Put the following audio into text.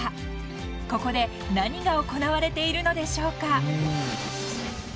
［ここで何が行われているのでしょうか］